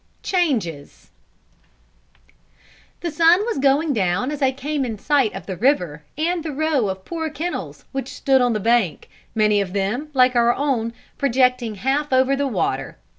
CHANGES. The sun was just going down as I came in sight of the river and the row of poor kennels which stood on the bank, many of them, like our own, projecting half over the water.